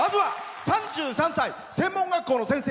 ３３歳、専門学校の先生。